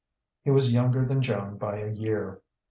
He was younger than Joan by a year.